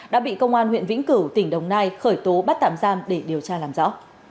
đã bị công an huyện vĩnh cửu tỉnh đồng nai khởi tố bắt tạm giam để điều tra làm rõ